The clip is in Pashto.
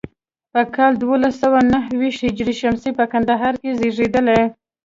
په کال دولس سوه نهو ویشت هجري شمسي په کندهار کې زیږېدلی.